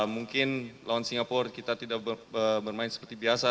mungkin lawan singapura kita tidak bermain seperti biasa